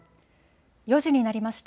４時になりました。